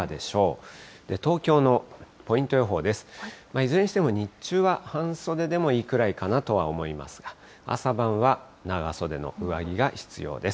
いずれにしても日中は半袖でもいいくらいかなとは思いますが、朝晩は長袖の上着が必要です。